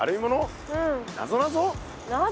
なぞなぞ？